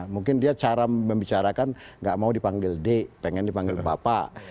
mungkin dia cara membicarakan nggak mau dipanggil d pengen dipanggil bapak